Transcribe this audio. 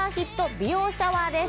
美容シャワーです